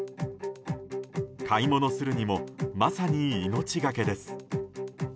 買い物をするにもまさに命がけです。